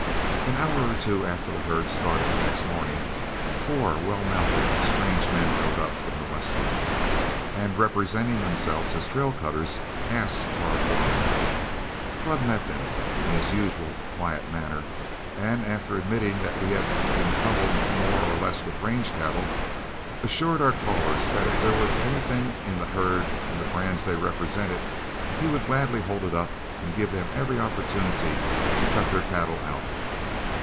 An hour or two after the herd had started the next morning, four well mounted, strange men rode up from the westward, and representing themselves as trail cutters, asked for our foreman. Flood met them, in his usual quiet manner, and after admitting that we had been troubled more or less with range cattle, assured our callers that if there was anything in the herd in the brands they represented, he would gladly hold it up and give them every opportunity to cut their cattle out.